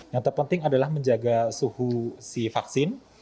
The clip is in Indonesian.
yang terpenting adalah menjaga suhu si vaksin